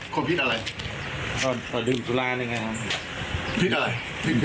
คนพิษอะไรเอาดื่มศุษย์ร้านเองนะครับ